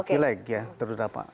pileg ya terdapat apa